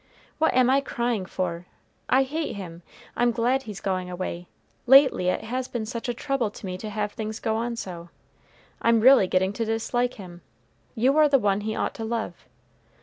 "What am I crying for? I hate him. I'm glad he's going away. Lately it has been such a trouble to me to have things go on so. I'm really getting to dislike him. You are the one he ought to love.